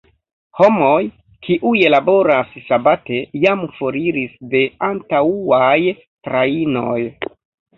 Homoj, kiuj laboras sabate jam foriris de antaŭaj trajnoj.